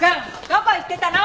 どこ行ってたの！